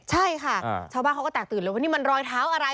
ใช่ค่ะชาวบ้านเขาก็แตกตื่นเลยว่านี่มันรอยเท้าอะไร